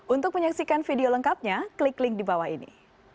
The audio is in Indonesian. untuk menyaksikan video lengkapnya klik link di bawah ini